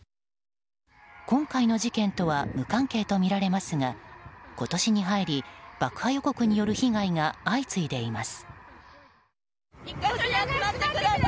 今回の事件とは無関係とみられますが今年に入り、爆破被害による被害が相次いでいます。